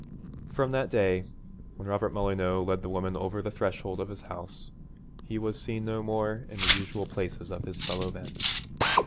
From that day, when Robert Molyneux led the woman over the threshold of his house, he was seen no more in the usual places of his fellow men.